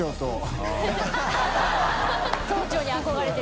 総長に憧れてる。